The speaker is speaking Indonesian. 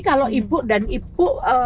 kalau ibu dan ibu